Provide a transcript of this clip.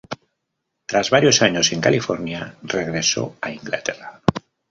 Tras varios años en California, regresó a Inglaterra.